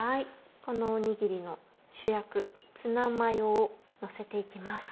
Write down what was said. このおにぎりの主役ツナマヨをのせて行きます。